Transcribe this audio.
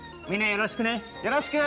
よろしく！